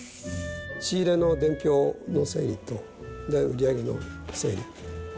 仕入れの伝票の整理と、売り上げの整理。